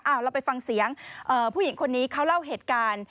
เราไปฟังเสียงผู้หญิงคนนี้เขาเล่าเหตุการณ์